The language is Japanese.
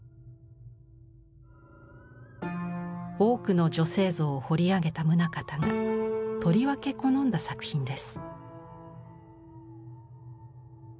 多くの女性像を彫り上げた棟方がとりわけ好んだ作品です。